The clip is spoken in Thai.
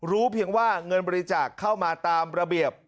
เพียงว่าเงินบริจาคเข้ามาตามระเบียบ